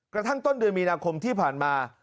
กระทั่งต้นเดือนมีนาคมที่ผ่านมา